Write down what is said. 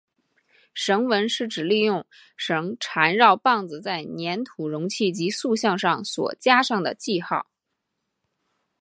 绳文是指利用绳缠绕棒子在黏土容器及塑像上所加上的记号。